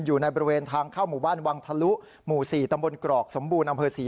อยู่ในบริเวณทางเข้าหมู่บ้านวังทะลุหมู่๔ตำบลกรอกสมบูรณ์อำเภอศรี